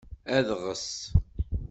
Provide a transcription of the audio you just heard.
Adɣes.